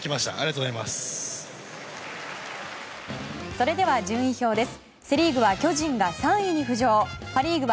それでは順位表です。